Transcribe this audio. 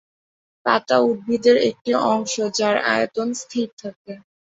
পাতা উদ্ভিদের একটি অংশ যার আয়তন স্থির থাকে।